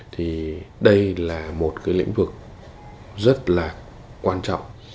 thì đây là một cái lĩnh vực rất là quan trọng